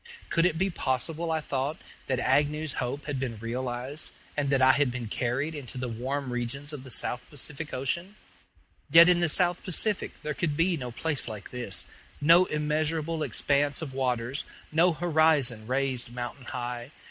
Could it be possible, I thought, that Agnew's hope had been realized, and that I had been carried into the warm regions of the South Pacific Ocean? Yet in the South Pacific there could be no place like this no immeasurable expanse of waters, no horizon raised mountain high.